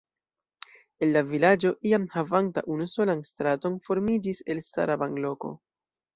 El la vilaĝo iam havanta unusolan straton formiĝis elstara banloko.